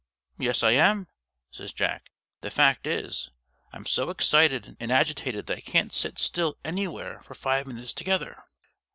"Yes, I am," says Jack. "The fact is, I'm so excited and agitated that I can't sit still anywhere for five minutes together.